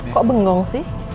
kok bengong sih